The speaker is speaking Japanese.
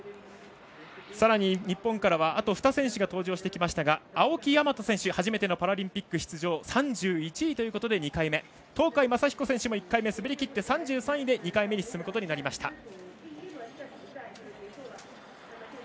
さらに日本からはあと２選手出場しましたが青木大和選手初めてのパラリンピック出場３１位ということで２回目東海将彦選手も１回目滑りきって３３位で２回目に進むことになりました。